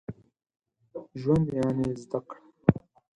ژوند يعني زده کړه.